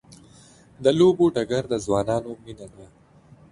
د لوبو ډګر د ځوانانو مینه ده.